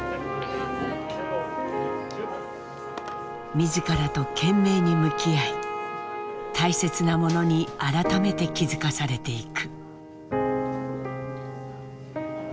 自らと懸命に向き合い大切なものに改めて気付かされていく。